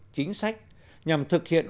chính sách nhằm thực hiện